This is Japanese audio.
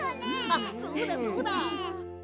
あっそうだそうだ！